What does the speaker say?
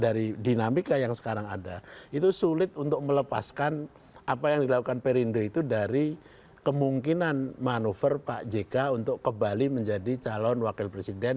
dari dinamika yang sekarang ada itu sulit untuk melepaskan apa yang dilakukan perindo itu dari kemungkinan manuver pak jk untuk kembali menjadi calon wakil presiden